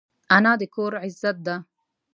انا د کور عزت ده